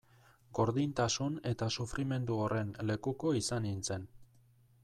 Gordintasun eta sufrimendu horren lekuko izan nintzen.